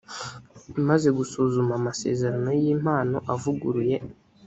imaze gusuzuma amasezerano y impano avuguruye